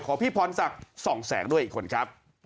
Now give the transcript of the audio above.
พี่พรศักดิ์ส่องแสงด้วยอีกคนครับ